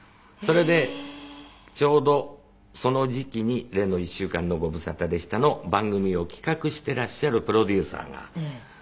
それでちょうどその時期に例の「１週間のご無沙汰でした」の番組を企画してらっしゃるプロデューサーが。